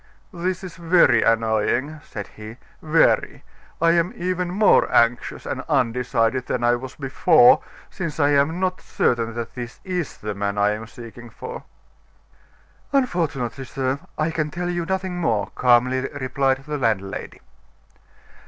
"This is very annoying," said he, "very! I am even more anxious and undecided than I was before, since I am not certain that this is the man I am seeking for." "Unfortunately, sir, I can tell you nothing more," calmly replied the landlady.